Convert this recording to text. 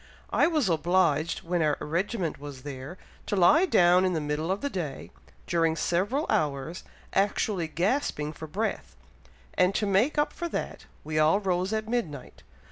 I was obliged, when our regiment was there, to lie down in the middle of the day, during several hours, actually gasping for breath; and to make up for that, we all rose at midnight.